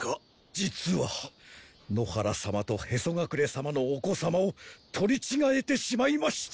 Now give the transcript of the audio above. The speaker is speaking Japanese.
実は野原様と屁祖隠様のお子様を取り違えてしまいまして。